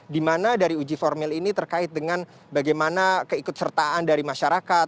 di mana dari uji formil ini terkait dengan bagaimana keikutsertaan dari masyarakat